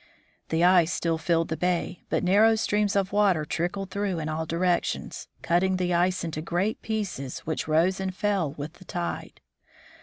The ice still filled the bay, but narrow streams of water trickled through in all directions, cutting the ice into great pieces which rose and fell with the tide.